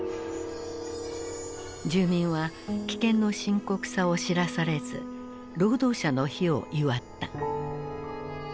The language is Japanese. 住民は危険の深刻さを知らされず労働者の日を祝った。